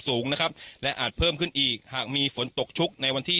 สูงนะครับและอาจเพิ่มขึ้นอีกหากมีฝนตกชุกในวันที่